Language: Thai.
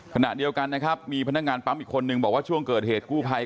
ขณะเดียวกันนะครับมีพนักงานปั๊มอีกคนนึงบอกว่าช่วงเกิดเหตุกู้ภัย